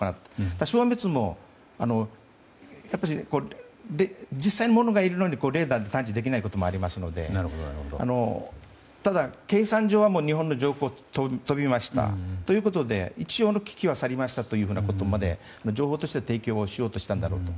ただ、消滅も実際にものがいるのにレーダーで探知できないこともありますのでただ、計算上は日本の上空を飛びましたということで一応の危機は去りましたということまで情報としては提供しようとしたんだろうと。